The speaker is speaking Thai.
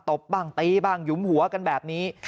ตบบ้างตีบ้างหยุมหัวกันแบบนี้